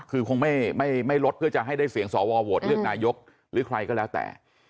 คือคงไม่ลดเพื่อจะให้ได้เสียงสวโหวตเลือกนายกหรือใครก็แล้วแต่